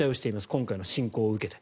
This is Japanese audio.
今回の侵攻を受けて。